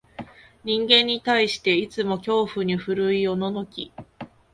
人間に対して、いつも恐怖に震いおののき、